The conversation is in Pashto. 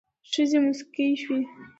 ښځې موسکې شوې.